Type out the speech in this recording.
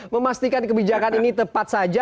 memastikan kebijakan ini tepat saja